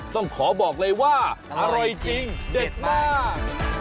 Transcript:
ต้องขอบอกเลยว่าอร่อยจริงเด็ดมาก